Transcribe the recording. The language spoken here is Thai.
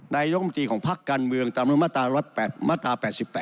ในยกมันตีของภาคการเมืองตามรับหนุนมาตรา๘๘